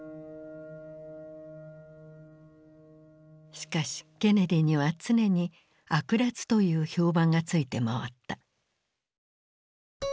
しかしケネディには常に悪辣という評判がついて回った。